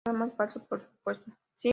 Nada más falso, por supuesto.